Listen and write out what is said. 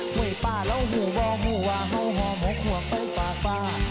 เฮ้ยป่าแล้วภูวะภูอร์เขาห้อมกหัวกไปป่าป่า